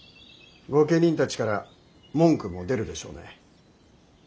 御家人たちから文句も出るでしょうね。